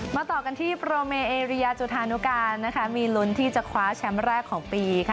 ต่อกันที่โปรเมเอเรียจุธานุการนะคะมีลุ้นที่จะคว้าแชมป์แรกของปีค่ะ